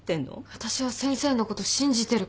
私は先生のこと信じてるから。